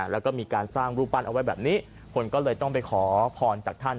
แล้วก็มีการสร้างรูปปั้นเอาไว้แบบนี้คนก็เลยต้องไปขอพรจากท่าน